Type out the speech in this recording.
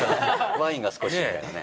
ワインが少しみたいなね。